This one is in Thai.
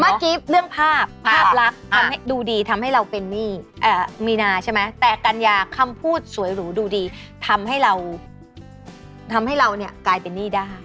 เมื่อกี้เรื่องภาพภาพลักษณ์ทำให้ดูดีทำให้เราเป็นหนี้มีนาใช่ไหมแต่กัญญาคำพูดสวยหรูดูดีทำให้เราทำให้เราเนี่ยกลายเป็นหนี้ได้